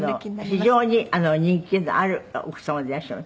非常に人気のある奥様でいらっしゃいます。